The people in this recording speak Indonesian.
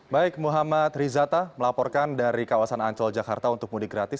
baik muhammad rizata melaporkan dari kawasan ancol jakarta untuk mudik gratis